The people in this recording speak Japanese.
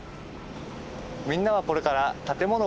みんなはこれからえっ！？